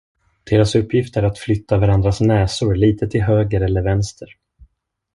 Deras uppgift är att flytta varandras näsor litet till höger eller vänster.